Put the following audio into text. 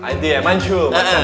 itu ya mancur